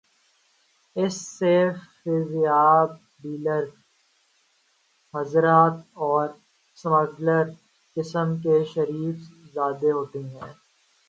اس سے فیضیاب ڈیلر حضرات اور سمگلر قسم کے شریف زادے ہوتے ہیں۔